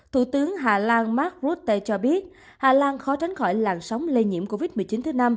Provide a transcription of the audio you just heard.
thủ tướng hà lan mark rutte cho biết hà lan khó tránh khỏi làn sóng lây nhiễm covid một mươi chín thứ năm